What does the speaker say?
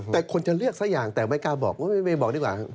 แต่คนจะเลือกสักอย่างแต่ไม่กล้าบอกไม่บอกดีกว่าครับ